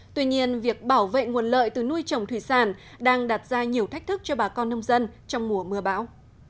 tuy nhiên việc bảo vệ nguồn lợi từ nuôi trồng thủy sản đang đặt ra nhiều thách thức cho bà con nông dân trong mùa mưa bão